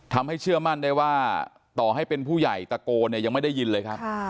เชื่อมั่นได้ว่าต่อให้เป็นผู้ใหญ่ตะโกนเนี่ยยังไม่ได้ยินเลยครับ